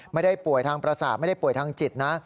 ไม่ได้ป่วยทางประสาทไม่ได้ป่วยทางจิตนะ